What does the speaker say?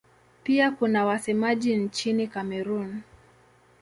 Pia kuna wasemaji nchini Kamerun.